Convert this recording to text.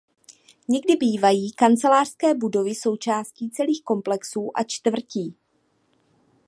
Někdy bývají kancelářské budovy součástí celých komplexů a čtvrtí.